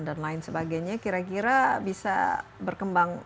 dan lain sebagainya kira kira bisa berkembang